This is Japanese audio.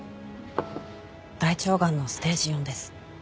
大腸がんのステージⅣです。